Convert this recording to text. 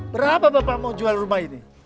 berapa bapak mau jual rumah ini